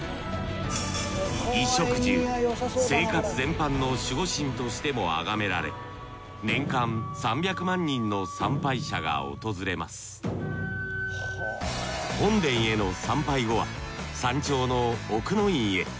衣食住生活全般の守護神としてもあがめられ年間３００万人の参拝者が訪れます本殿への参拝後は山頂の奥の院へ。